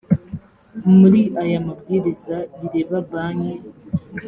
muri aya mabwiriza bireba banki